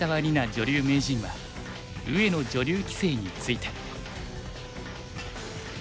女流名人は上野女流棋聖について。